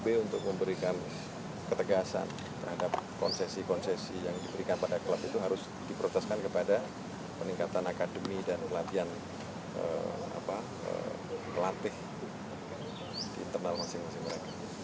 tapi untuk memberikan ketegasan terhadap konsesi konsesi yang diberikan pada klub itu harus diproteskan kepada peningkatan akademi dan pelatihan pelatih di internal masing masing mereka